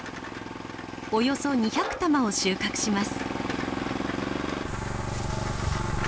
およそ２００玉を収穫します。